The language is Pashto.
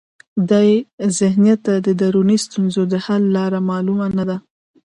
دې ذهنیت ته د دروني ستونزو د حل لاره معلومه نه ده.